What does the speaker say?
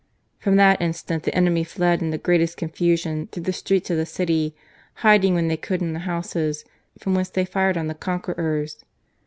From that instant the enemy fled in the greatest confusion through the streets of the city, hiding when they could in the houses, from whence they fired on the conquerors.